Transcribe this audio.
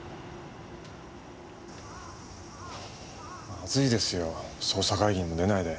まずいですよ捜査会議にも出ないで。